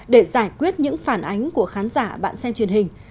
để giải quyết những phản ánh của khán giả bạn xem truyền hình